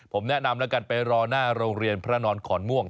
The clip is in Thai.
ผมแนะนำแล้วกันไปรอหน้าโรงเรียนพระนอนขอนม่วง